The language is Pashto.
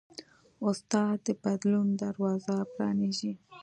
استاد د بدلون دروازه پرانیزي.